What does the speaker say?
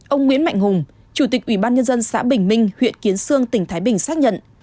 ông nguyễn mạnh hùng chủ tịch ủy ban nhân dân xã bình minh huyện kiến sương tỉnh thái bình xác nhận